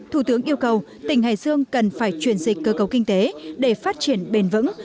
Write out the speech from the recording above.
thủ tướng yêu cầu tỉnh hải dương cần phải chuyển dịch cơ cấu kinh tế để phát triển bền vững